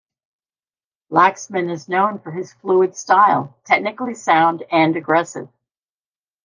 Laxman is known for his fluid style, technically sound and aggressive.